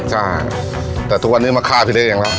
ค่ะแต่ทุกวันหนึ่งมาฆ่าพี่เล็กเอยังละ